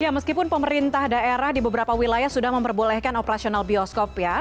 ya meskipun pemerintah daerah di beberapa wilayah sudah memperbolehkan operasional bioskop ya